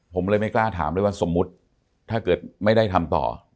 ผมเลยไม่กล้าถามเลยว่าสมมุติถ้าเกิดไม่ได้ทำต่อ